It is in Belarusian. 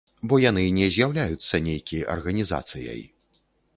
Бо яны не з'яўляюцца нейкі арганізацыяй.